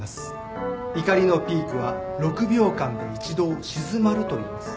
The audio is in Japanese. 怒りのピークは６秒間で一度静まるといいます